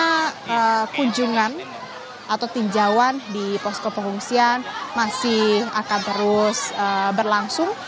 karena kunjungan atau tinjauan di posko pengungsian masih akan terus berlangsung